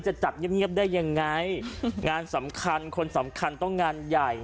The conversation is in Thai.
จะจัดเงียบได้ยังไงงานสำคัญคนสำคัญต้องงานใหญ่